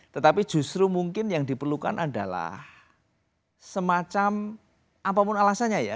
tetapi justru mungkin yang diperlukan adalah semacam apapun alasannya ya